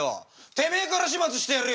てめえから始末してやるよ！